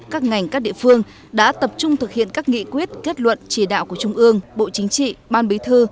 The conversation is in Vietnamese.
các ngành các địa phương đã tập trung thực hiện các nghị quyết kết luận chỉ đạo của trung ương bộ chính trị ban bí thư